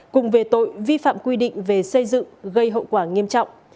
cùng về tội vi phạm quy định về xây dựng gây hậu quả nghiêm trọng